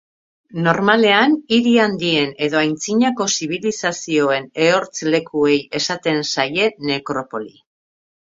Normalean, hiri handien edo antzinako zibilizazioen ehortz-lekuei esaten zaie nekropoli.